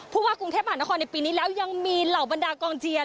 ว่ากรุงเทพมหานครในปีนี้แล้วยังมีเหล่าบรรดากองเจียน